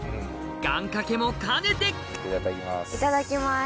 願掛けも兼ねていただきます。